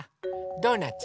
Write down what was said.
ドーナツ？